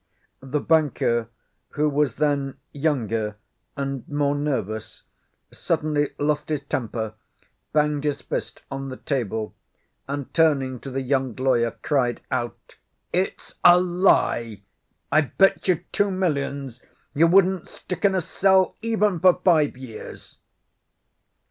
The banker who was then younger and more nervous suddenly lost his temper, banged his fist on the table, and turning to the young lawyer, cried out: "It's a lie. I bet you two millions you wouldn't stick in a cell even for five years."